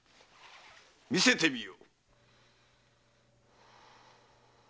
見せてみよ！